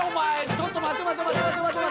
ちょっと待て待て待て。